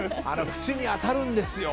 縁に当たるんですよ。